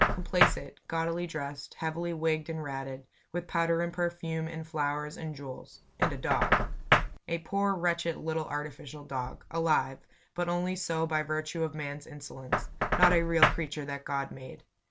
Complacent, gaudily dressed, heavily wigged and ratted, with powder and perfume and flowers and jewels and a dog. A poor, wretched, little, artificial dog alive, but only so by virtue of man's insolence; not a real creature that God made.